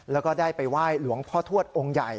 แล้วก็ได้ไปไหว้หลวงพ่อทวดองค์ใหญ่